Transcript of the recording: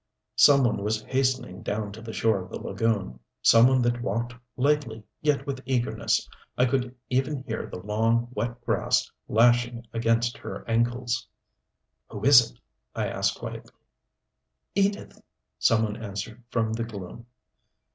Some one was hastening down to the shore of the lagoon some one that walked lightly, yet with eagerness. I could even hear the long, wet grass lashing against her ankles. "Who is it?" I asked quietly. "Edith," some one answered from the gloom.